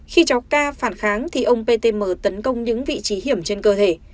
khi cháu ca phản kháng thì ông ptm tấn công những vị trí hiểm trên cơ thể